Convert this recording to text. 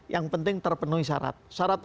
yang penting terpenuhi syarat syarat